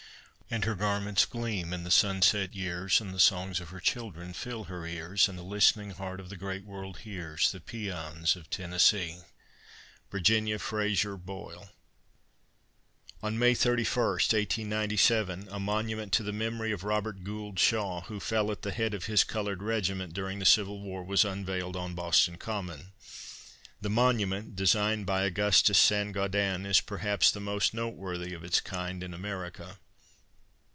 And her garments gleam in the sunlit years, And the songs of her children fill her ears; And the listening heart of the great world hears The pæans of Tennessee! VIRGINIA FRASER BOYLE. On May 31, 1897, a monument to the memory of Robert Gould Shaw, who fell at the head of his colored regiment during the Civil War, was unveiled on Boston Common. The monument, designed by Augustus Saint Gaudens, is perhaps the most noteworthy of its kind in America.